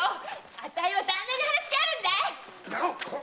あたいは旦那に話があるんだ！